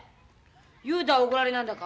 雄太は怒られなんだか？